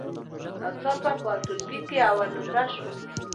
یو ناڅاپه په ټولګي کې اول نمره شوم.